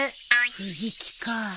藤木か。